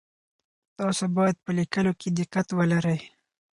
تاسو باید په لیکلو کي دقت ولرئ.